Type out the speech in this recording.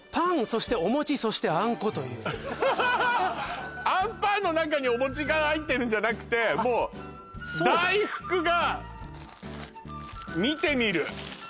そしておもちそしてあんこというあんぱんの中におもちが入ってるんじゃなくてもう大福が見てみる